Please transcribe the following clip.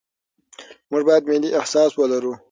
موږ باید ملي احساس ولرو.